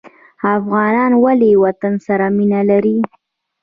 افغانان ولې وطن سره مینه لري؟